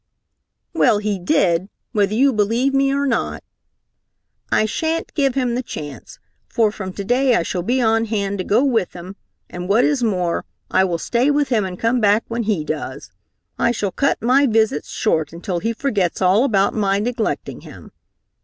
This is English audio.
"Well, he did, whether you believe me or not!" "I shan't give him the chance, for from today I shall be on hand to go with him, and, what is more, I will stay with him and come back when he does. I shall cut my visits short until he forgets all about my neglecting him.